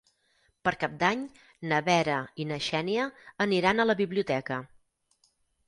Per Cap d'Any na Vera i na Xènia aniran a la biblioteca.